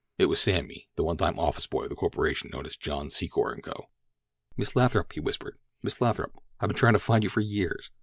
It was Sammy, the one time office boy of the corporation known as John Secor & Co. "Miss Lathrop," he whispered. "Miss Lathrop, I've been trying to find you for years.